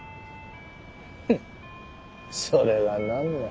フンそれが何の。